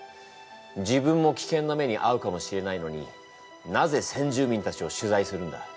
自分もきけんな目にあうかもしれないのになぜ先住民たちを取材するんだ？